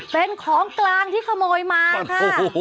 เป็นของกลางที่ขโมยมาค่ะ